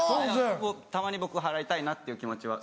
たまに僕払いたいなっていう気持ちは。